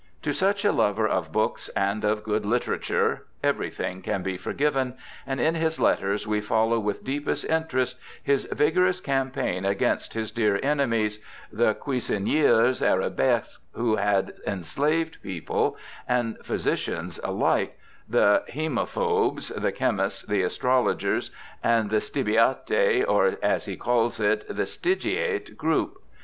To such a lover of books and of good literature every thing can be forgiven, and in his letters we follow with deepest interest his vigorous campaign against his dear enemies, the Cnisiniers arabesques, who had enslaved people and physicians alike, the haemophobes, the chemists, the astrologers, and the stibiate, or as he calls it, the Siygiate group.